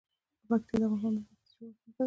پکتیا د افغانستان د ځمکې د جوړښت نښه ده.